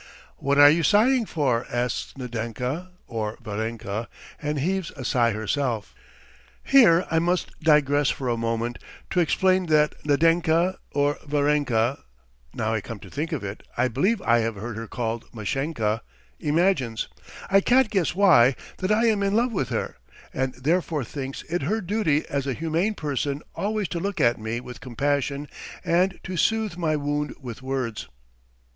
"What are you sighing for?" asks Nadenka (or Varenka), and heaves a sigh herself. Here I must digress for a moment to explain that Nadenka or Varenka (now I come to think of it, I believe I have heard her called Mashenka) imagines, I can't guess why, that I am in love with her, and therefore thinks it her duty as a humane person always to look at me with compassion and to soothe my wound with words.